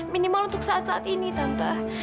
minimal untuk saat saat ini tambah